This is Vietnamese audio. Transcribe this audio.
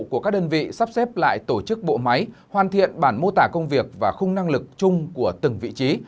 của các đơn vị sắp xếp lại tổ chức bộ máy hoàn thiện bản mô tả công việc và khung năng lực chung của từng vị trí